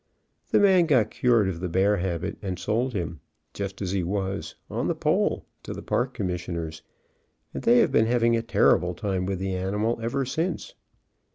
The man got cured of the bear habit, and sold him, just as he was, on the pole, to the park com missioners, and they have been having a terrible time with the animal ever since.